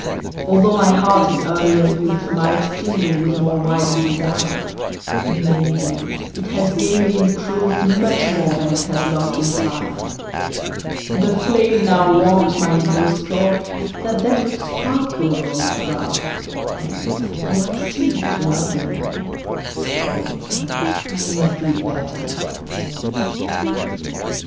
Altho' my heart in earlier youth Might kindle with more wild desire, Believe me, it has gained in truth Much more than it has lost in fire. The flame now warms my inmost core, That then but sparkled o'er my brow, And, though I seemed to love thee more, Yet, oh, I love thee better now.